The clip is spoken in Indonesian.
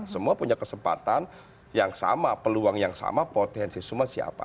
semua punya kesempatan yang sama peluang yang sama potensi semua siapa